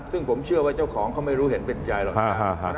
ซึ่งผมเชื่อว่าเจ้าของเขาไม่รู้เห็นเป็นใจหรอก